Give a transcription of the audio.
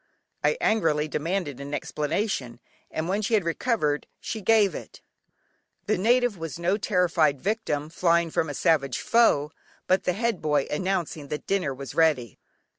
I angrily demanded an explanation, and when she had recovered, she gave it. The native was no terrified victim, flying from a savage foe, but the head boy announcing that dinner was ready!